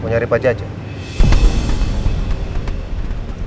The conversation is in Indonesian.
mau nyari pak jajah